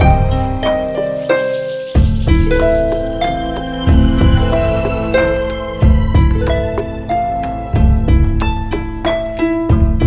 aduh aduh tunggu aja aduh